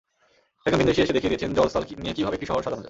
একজন ভিনদেশি এসে দেখিয়ে গিয়েছেন জল-স্থল নিয়ে কীভাবে একটি শহর সাজানো যায়।